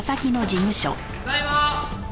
ただいま！